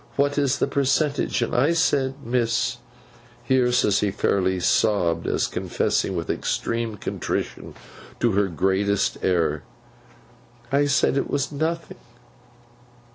What is the percentage? And I said, Miss;' here Sissy fairly sobbed as confessing with extreme contrition to her greatest error; 'I said it was nothing.